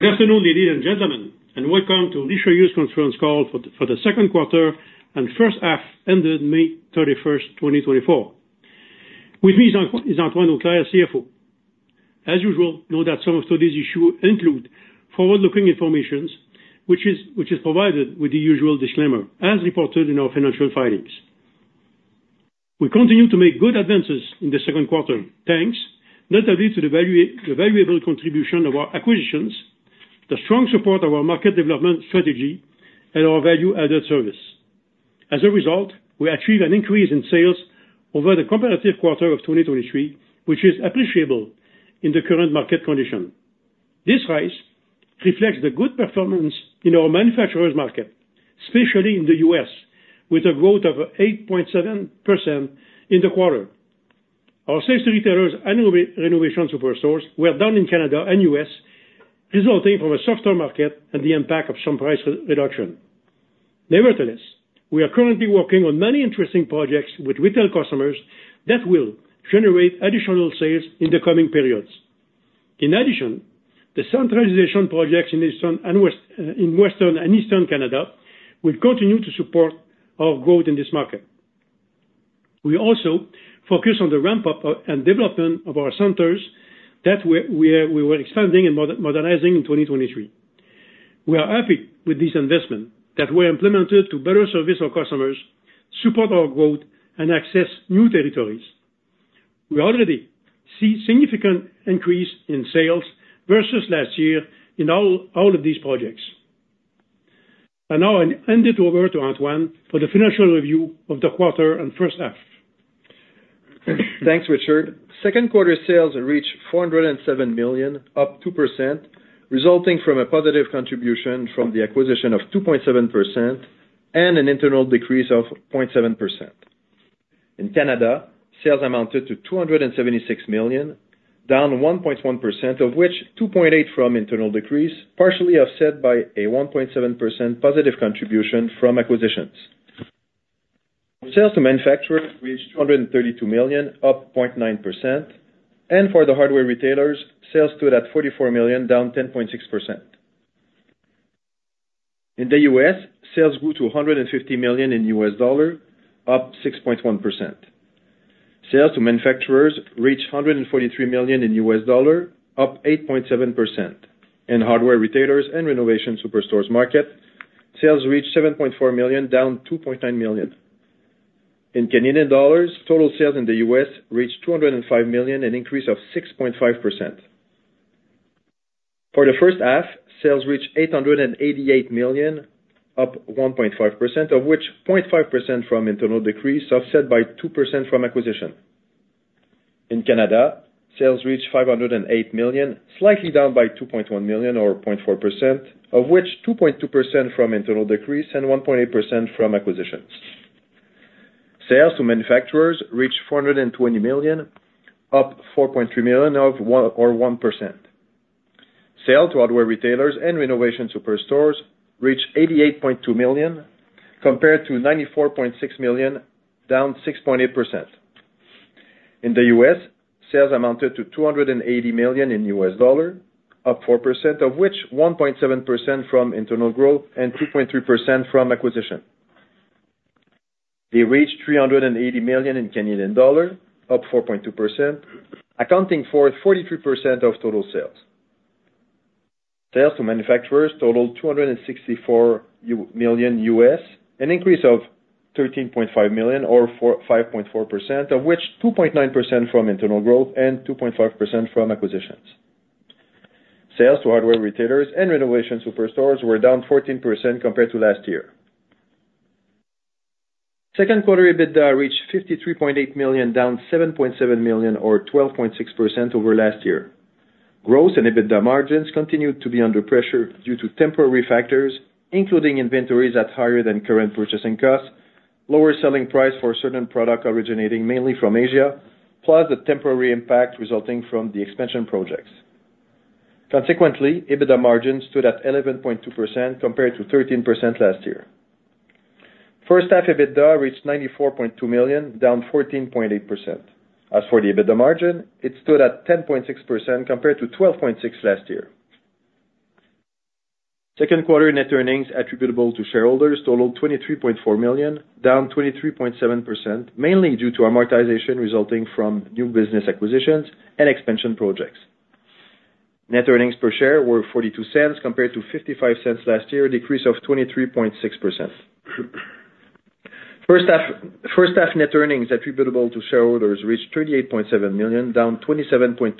Good afternoon, ladies and gentlemen, and welcome to Richelieu Hardware Ltd.'s conference call for the second quarter and first half ended May 31, 2024. With me is Antoine Auclair, CFO. As usual, note that some of today's issues include forward-looking information, which is provided with the usual disclaimer, as reported in our financial filings. We continue to make good advances in the second quarter, thanks notably to the valuable contribution of our acquisitions, the strong support of our market development strategy, and our value-added service. As a result, we achieved an increase in sales over the comparable quarter of 2023, which is appreciable in the current market condition. This rise reflects the good performance in our manufacturer's market, especially in the U.S., with a growth of 8.7% in the quarter. Our sales to retailers and renovation superstores were down in Canada and U.S., resulting from a softer market and the impact of some price reduction. Nevertheless, we are currently working on many interesting projects with retail customers that will generate additional sales in the coming periods. In addition, the centralization projects in eastern and western Canada will continue to support our growth in this market. We also focus on the ramp-up and development of our centers that we were expanding and modernizing in 2023. We are happy with this investment that were implemented to better service our customers, support our growth, and access new territories. We already see significant increase in sales versus last year in all of these projects. And now I'll hand it over to Antoine for the financial review of the quarter and first half. Thanks, Richard. Second quarter sales reached 407 million, up 2%, resulting from a positive contribution from the acquisition of 2.7% and an internal decrease of 0.7%. In Canada, sales amounted to 276 million, down 1.1%, of which 2.8% from internal decrease, partially offset by a 1.7% positive contribution from acquisitions. Sales to manufacturers reached 232 million, up 0.9%, and for the hardware retailers, sales stood at 44 million, down 10.6%. In the US, sales grew to $150 million in US dollar, up 6.1%. Sales to manufacturers reached $143 million in US dollar, up 8.7%. In hardware retailers and renovation superstores market, sales reached 7.4 million, down 2.9 million. In Canadian dollars, total sales in the US reached 205 million, an increase of 6.5%. For the first half, sales reached 888 million, up 1.5%, of which 0.5% from internal decrease, offset by 2% from acquisition. In Canada, sales reached 508 million, slightly down by 2.1 million or 0.4%, of which 2.2% from internal decrease and 1.8% from acquisitions. Sales to manufacturers reached 420 million, up 4.3 million or 1%. Sales to hardware retailers and renovation superstores reached 88.2 million, compared to 94.6 million, down 6.8%. In the U.S., sales amounted to $280 million, up 4%, of which 1.7% from internal growth and 2.3% from acquisition. They reached 380 million, up 4.2%, accounting for 43% of total sales. Sales to manufacturers totaled $264 million, an increase of $13.5 million, or 5.4%, of which 2.9% from internal growth and 2.5% from acquisitions. Sales to hardware retailers and renovation superstores were down 14% compared to last year. Second quarter EBITDA reached 53.8 million, down 7.7 million, or 12.6% over last year. Growth in EBITDA margins continued to be under pressure due to temporary factors, including inventories at higher than current purchasing costs, lower selling price for certain product originating mainly from Asia, plus the temporary impact resulting from the expansion projects. Consequently, EBITDA margins stood at 11.2%, compared to 13% last year. First half EBITDA reached 94.2 million, down 14.8%. As for the EBITDA margin, it stood at 10.6%, compared to 12.6% last year. Second quarter net earnings attributable to shareholders totaled 23.4 million, down 23.7%, mainly due to amortization resulting from new business acquisitions and expansion projects. Net earnings per share were 0.42, compared to 0.55 last year, a decrease of 23.6%. First half, first half net earnings attributable to shareholders reached 38.7 million, down 27.2%.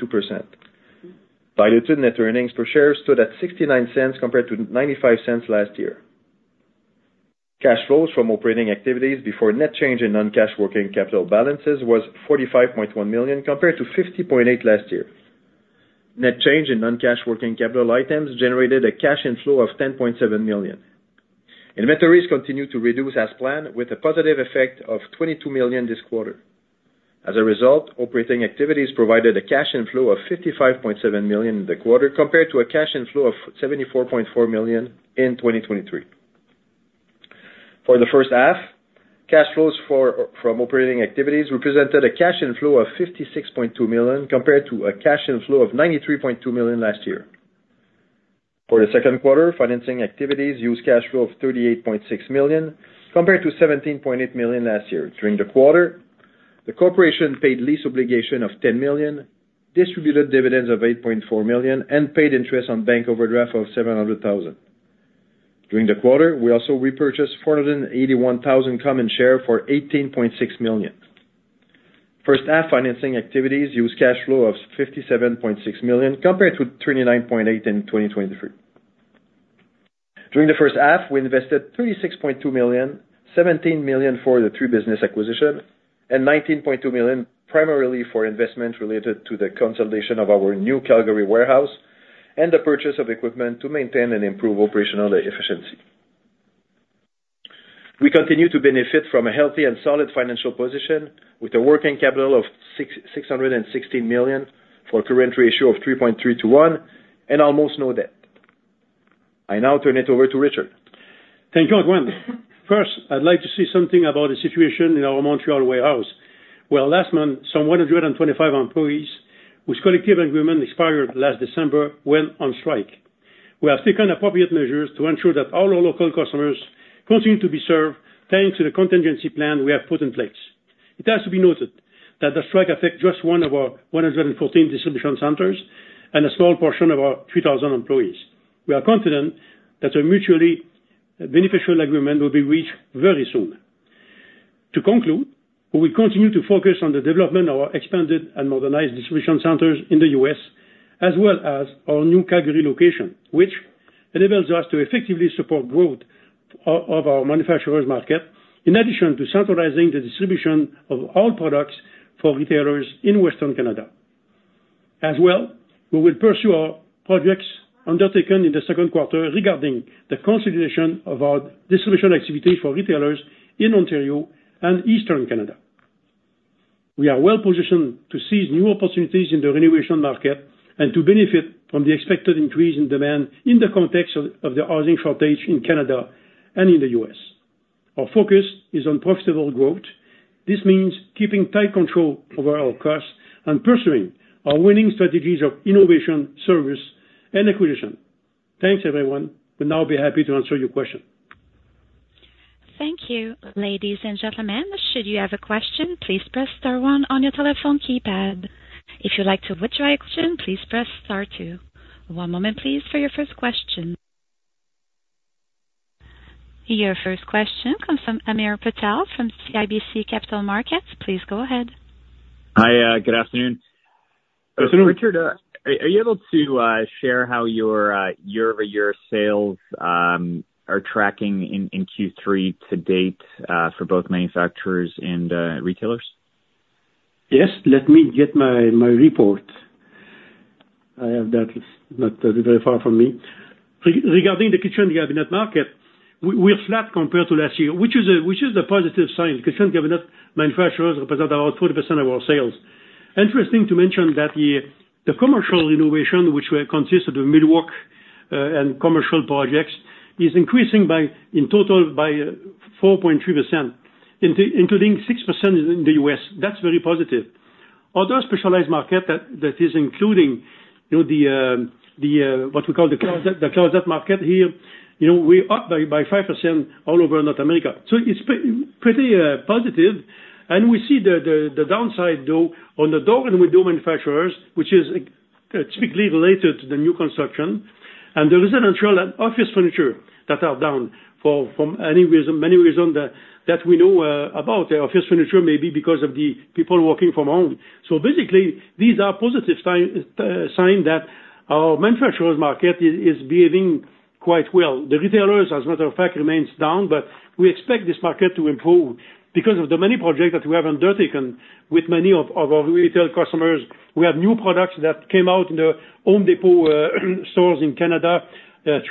Diluted net earnings per share stood at 0.69 compared to 0.95 last year. Cash flows from operating activities before net change in non-cash working capital balances was 45.1 million, compared to 50.8 last year. Net change in non-cash working capital items generated a cash inflow of 10.7 million. Inventories continued to reduce as planned, with a positive effect of 22 million this quarter. As a result, operating activities provided a cash inflow of 55.7 million in the quarter, compared to a cash inflow of 74.4 million in 2023. For the first half, cash flows from operating activities represented a cash inflow of 56.2 million, compared to a cash inflow of 93.2 million last year. For the second quarter, financing activities used cash flow of 38.6 million, compared to 17.8 million last year. During the quarter, the corporation paid lease obligation of 10 million, distributed dividends of 8.4 million, and paid interest on bank overdraft of 700,000. During the quarter, we also repurchased 481,000 common share for 18.6 million. First half financing activities used cash flow of 57.6 million, compared to 29.8 in 2023. During the first half, we invested 36.2 million, 17 million for the three business acquisition, and 19.2 million, primarily for investment related to the consolidation of our new Calgary warehouse and the purchase of equipment to maintain and improve operational efficiency. We continue to benefit from a healthy and solid financial position with a working capital of 616 million, for a current ratio of 3.3 to 1, and almost no debt. I now turn it over to Richard. Thank you, Antoine. First, I'd like to say something about the situation in our Montreal warehouse, where last month, some 125 employees, whose collective agreement expired last December, went on strike. We have taken appropriate measures to ensure that all our local customers continue to be served, thanks to the contingency plan we have put in place. It has to be noted that the strike affect just one of our 114 distribution centers and a small portion of our 3,000 employees. We are confident that a mutually beneficial agreement will be reached very soon. To conclude, we will continue to focus on the development of our expanded and modernized distribution centers in the U.S., as well as our new Calgary location, which enables us to effectively support growth of our manufacturer's market, in addition to centralizing the distribution of all products for retailers in Western Canada. As well, we will pursue our projects undertaken in the second quarter regarding the consolidation of our distribution activities for retailers in Ontario and Eastern Canada. We are well positioned to seize new opportunities in the renovation market and to benefit from the expected increase in demand in the context of the housing shortage in Canada and in the U.S. Our focus is on profitable growth. This means keeping tight control over our costs and pursuing our winning strategies of innovation, service, and acquisition. Thanks, everyone. We'll now be happy to answer your questions. Thank you, ladies and gentlemen. Should you have a question, please press star one on your telephone keypad. If you'd like to withdraw your question, please press star two. One moment, please, for your first question. Your first question comes from Hamir Patel from CIBC Capital Markets. Please go ahead. Hi, good afternoon. So Richard, are you able to share how your year-over-year sales are tracking in Q3 to date for both manufacturers and retailers? Yes, let me get my, my report. I have that, it's not very far from me. Regarding the kitchen cabinet market, we are flat compared to last year, which is a positive sign. Kitchen cabinet manufacturers represent about 40% of our sales. Interesting to mention that the commercial renovation, which were consisted of millwork and commercial projects, is increasing by, in total, 4.3%, including 6% in the U.S. That's very positive. Other specialized market that is including, you know, the what we call the closet, the closet market here, you know, we're up by 5% all over North America. So it's pretty positive, and we see the downside, though, on the door and window manufacturers, which is typically related to the new construction, and the residential and office furniture that are down from any reason, many reason that we know about. The office furniture may be because of the people working from home. So basically, these are positive sign, sign that our manufacturers market is behaving quite well. The retailers, as a matter of fact, remains down, but we expect this market to improve because of the many projects that we have undertaken with many of our retail customers. We have new products that came out in the Home Depot stores in Canada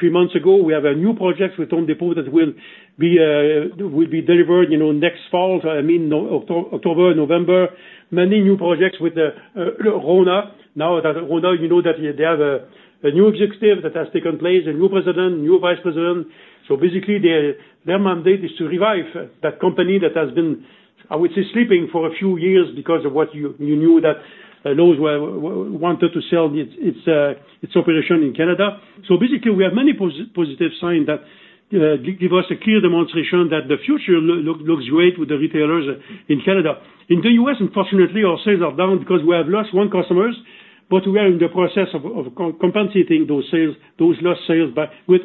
three months ago. We have a new project with Home Depot that will be delivered, you know, next fall, I mean, October, November. Many new projects with the RONA. Now that RONA, you know, that they have a new executive that has taken place, a new president, new vice president. So basically, their mandate is to revive that company that has been, I would say, sleeping for a few years because of what you knew that Lowe's wanted to sell its operation in Canada. So basically, we have many positive signs that give us a clear demonstration that the future looks great with the retailers in Canada. In the U.S., unfortunately, our sales are down because we have lost one customer, but we are in the process of compensating Lowe's sales, Lowe's lost sales back with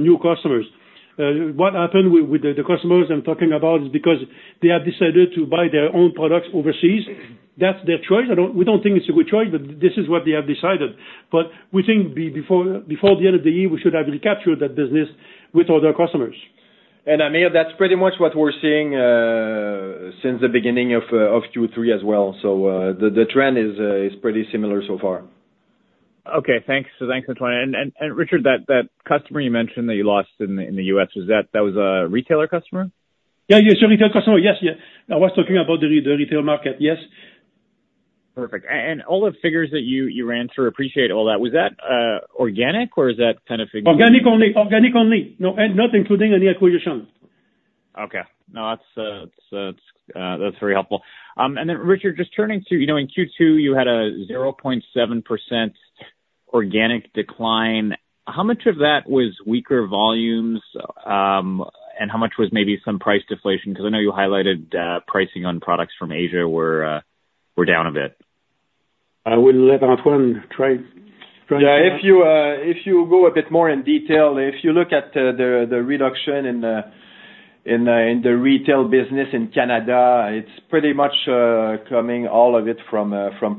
new customers. What happened with the customers I'm talking about is because they have decided to buy their own products overseas. That's their choice. We don't think it's a good choice, but this is what they have decided. But we think before the end of the year, we should have recaptured that business with other customers. Hamir, that's pretty much what we're seeing since the beginning of Q3 as well. The trend is pretty similar so far. Okay, thanks. So thanks, Antoine. And Richard, that customer you mentioned that you lost in the US, was that a retailer customer? Yeah, yes, a retail customer. Yes, yeah. I was talking about the retail market, yes. Perfect. And all the figures that you ran through, appreciate all that, was that organic or is that kind of- Organic only. Organic only, no, and not including any acquisitions. Okay. No, that's, that's very helpful. And then Richard, just turning to, you know, in Q2, you had a 0.7% organic decline. How much of that was weaker volumes, and how much was maybe some price deflation? Because I know you highlighted, pricing on products from Asia were, were down a bit. I will let Antoine try Yeah, if you go a bit more in detail, if you look at the reduction in the retail business in Canada, it's pretty much coming all of it from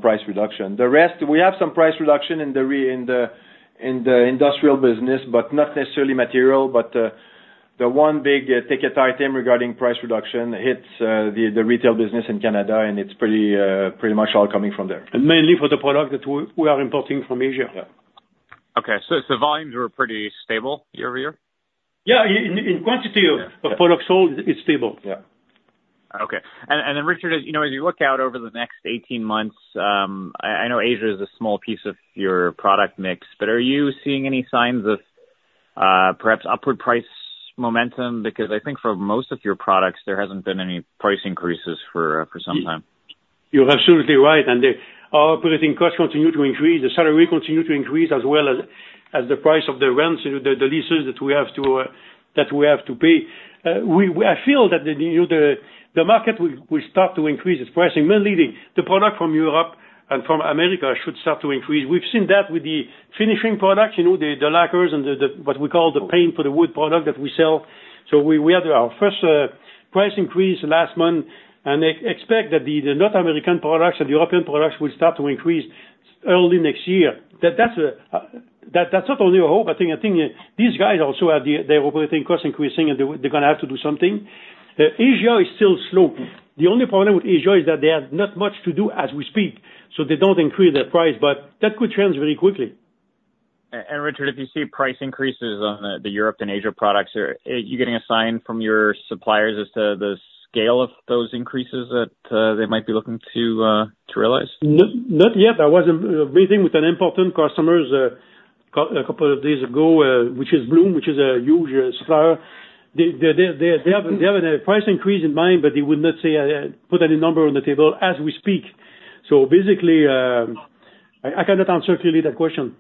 price reduction. The rest, we have some price reduction in the industrial business, but not necessarily material. But the one big ticket item regarding price reduction hits the retail business in Canada, and it's pretty much all coming from there. And mainly for the product that we are importing from Asia. Yeah. Okay. So volumes were pretty stable year-over-year? Yeah, in quantity of Yeah of product sold, it's stable. Yeah. Okay. And then Richard, as you know, as you look out over the next 18 months, I know Asia is a small piece of your product mix, but are you seeing any signs of perhaps upward price momentum? Because I think for most of your products, there hasn't been any price increases for some time. You are absolutely right, and our operating costs continue to increase. The salary continue to increase as well as the price of the rents, you know, the leases that we have to pay. I feel that, you know, the market will start to increase its pricing, mainly the product from Europe and from America should start to increase. We've seen that with the finishing products, you know, the lacquers and the what we call the paint for the wood product that we sell. So we had our first price increase last month, and expect that the North American products and European products will start to increase early next year. That's not only a hope. I think these guys also have their operating costs increasing, and they're gonna have to do something. Asia is still slow. The only problem with Asia is that they have not much to do as we speak, so they don't increase their price, but that could change very quickly. Antoine and Richard, if you see price increases on the Europe and Asia products, are you getting a sign from your suppliers as to the scale of those increases that they might be looking to realize? No, not yet. I was meeting with an important customers a couple of days ago, which is Blum, which is a huge supplier. They have a price increase in mind, but they would not say put any number on the table as we speak. So basically, I cannot answer clearly that question.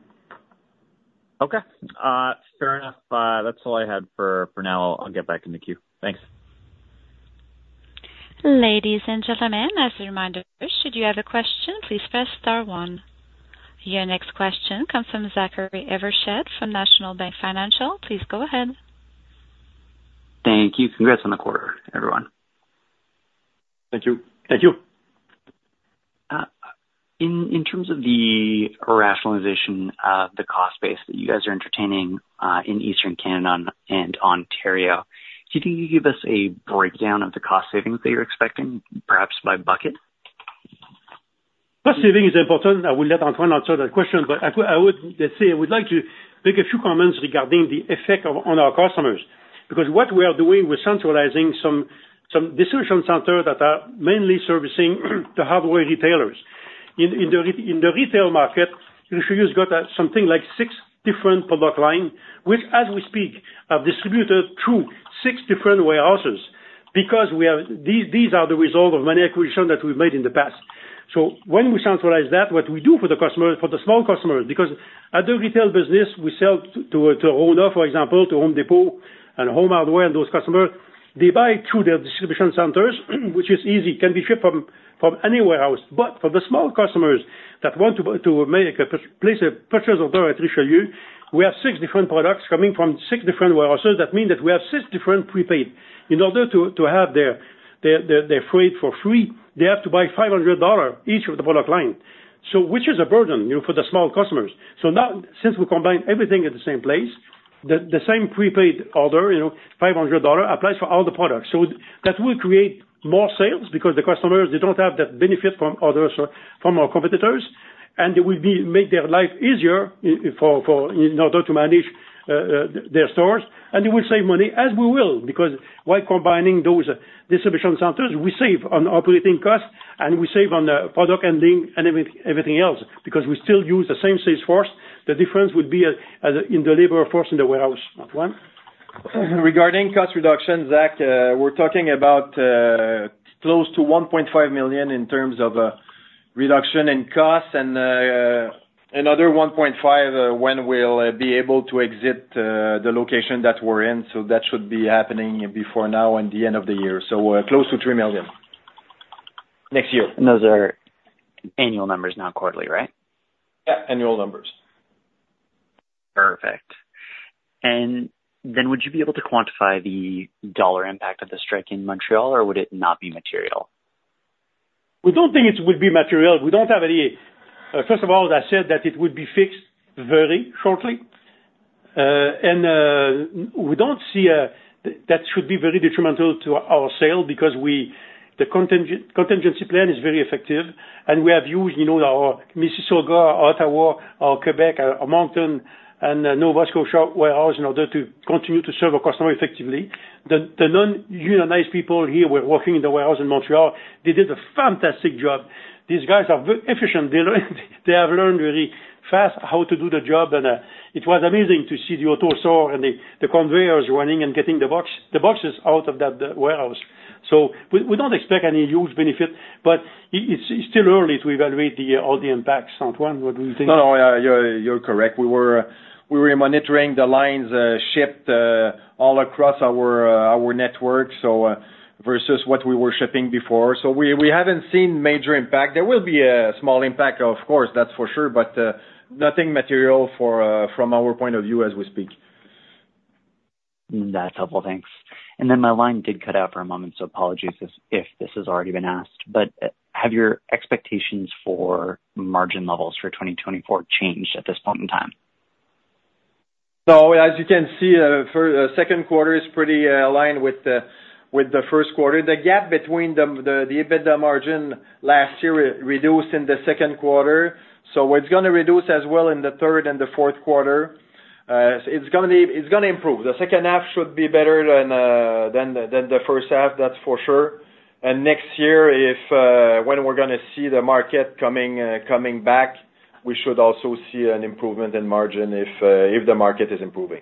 Okay, fair enough. That's all I had for now. I'll get back in the queue. Thanks. Ladies and gentlemen, as a reminder, should you have a question, please press star one. Your next question comes from Zachary Evershed from National Bank Financial. Please go ahead. Thank you. Congrats on the quarter, everyone. Thank you. Thank you. In terms of the rationalization of the cost base that you guys are entertaining, in Eastern Canada and Ontario, could you give us a breakdown of the cost savings that you're expecting, perhaps by bucket? Cost saving is important. I will let Antoine answer that question, but I would say, I would like to make a few comments regarding the effect of on our customers. Because what we are doing, we're centralizing some distribution centers that are mainly servicing the hardware retailers. In the retail market, Richelieu's got something like six different product line, which, as we speak, are distributed through six different warehouses. Because we are. These are the result of many acquisitions that we've made in the past. So when we centralize that, what we do for the customer, for the small customer, because other retail business, we sell to Rona, for example, to Home Depot and Home Hardware and those customers, they buy through their distribution centers, which is easy, can be shipped from any warehouse. But for the small customers that want to place a purchase order at Richelieu, we have six different products coming from six different warehouses. That means that we have six different prepaid. In order to have their freight for free, they have to buy 500 dollars each of the product line. So which is a burden, you know, for the small customers. So now, since we combine everything at the same place, the same prepaid order, you know, 500 dollars, applies for all the products. So that will create more sales because the customers, they don't have that benefit from others or from our competitors, and it will make their life easier for, for, in order to manage their stores, and they will save money, as we will, because while combining those distribution centers, we save on operating costs, and we save on the product handling and everything else, because we still use the same sales force. The difference would be in the labor force, in the warehouse. Antoine? Regarding cost reduction, Zach, we're talking about close to 1.5 million in terms of reduction in costs and another 1.5 million when we'll be able to exit the location that we're in, so that should be happening before now and the end of the year. So close to 3 million next year. Those are annual numbers, not quarterly, right? Yeah, annual numbers. Perfect. And then would you be able to quantify the dollar impact of the strike in Montreal, or would it not be material? We don't think it would be material. We don't have any. First of all, as I said, that it would be fixed very shortly. And we don't see that should be very detrimental to our sales because we—the contingency plan is very effective, and we have used, you know, our Mississauga, Ottawa, our Quebec, Moncton, and Nova Scotia warehouses in order to continue to serve our customers effectively. The non-unionized people here were working in the warehouse in Montreal. They did a fantastic job. These guys are very efficient learners. They have learned really fast how to do the job, and it was amazing to see the AutoStore and the conveyors running and getting the boxes out of that warehouse. So we, we don't expect any huge benefit, but it's still early to evaluate all the impacts. Antoine, what do you think? No, no, you're, you're correct. We were, we were monitoring the lines shipped all across our, our network, so, versus what we were shipping before. So we, we haven't seen major impact. There will be a small impact, of course, that's for sure, but, nothing material for, from our point of view as we speak. That's helpful. Thanks. And then my line did cut out for a moment, so apologies if, if this has already been asked. But, have your expectations for margin levels for 2024 changed at this point in time? So as you can see, for the second quarter is pretty aligned with the, with the first quarter. The gap between the the, the EBITDA margin last year reduced in the second quarter, so it's gonna reduce as well in the third and the fourth quarter. It's gonna be, It's gonna improve. The second half should be better than, than the, than the first half, that's for sure. And next year, if, when we're gonna see the market coming, coming back, we should also see an improvement in margin if, if the market is improving.